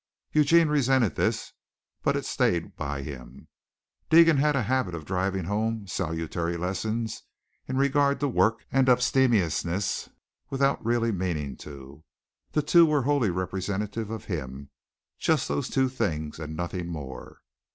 Eugene resented this but it stayed by him. Deegan had the habit of driving home salutary lessons in regard to work and abstemiousness without really meaning to. The two were wholly representative of him just those two things and nothing more.